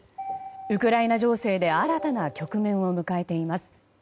ウクライナ情勢で新たな局面を迎えています。